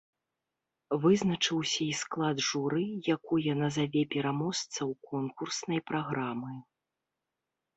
Вызначыўся і склад журы, якое назаве пераможцаў конкурснай праграмы.